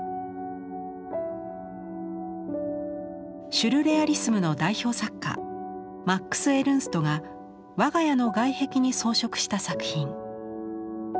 シュルレアリスムの代表作家マックス・エルンストが我が家の外壁に装飾した作品。